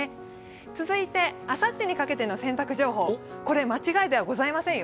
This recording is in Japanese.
続いて、あさってにかけての洗濯情報これ間違いではございませんよ。